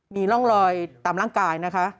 มีร่องรอยตามร่างกายนะคะ